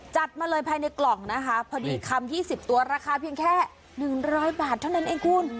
จัดมาเลยภายในกล่องนะคะพอดีคำ๒๐ตัวราคาเพียงแค่๑๐๐บาทเท่านั้นเองคุณ